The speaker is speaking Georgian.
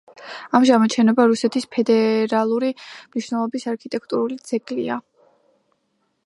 ამჟამად შენობა რუსეთის ფედერალური მნიშვნელობის არქიტექტურული ძეგლია.